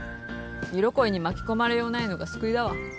色恋に巻き込まれようないのが救いだわ。